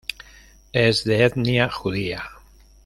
Es de etnia judía.